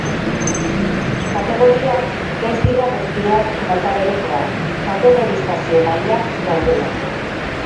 Kategoriak ez dira guztiak mota berekoak, kategorizazio mailak daudelako.